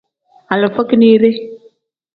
Alifa kinide.